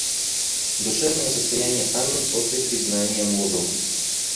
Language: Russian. Душевное состояние Анны после признания мужу.